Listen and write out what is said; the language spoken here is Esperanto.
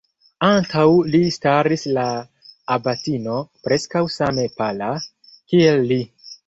Antaŭ li staris la abatino, preskaŭ same pala, kiel li.